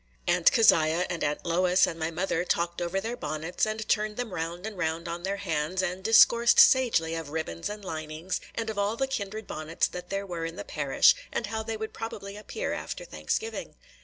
Aunt Keziah and Aunt Lois and my mother talked over their bonnets, and turned them round and round on their hands, and discoursed sagely of ribbons and linings, and of all the kindred bonnets that there were in the parish, and how they would probably appear after Thanksgiving.